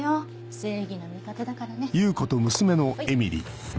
正義の味方だからね。はいっ。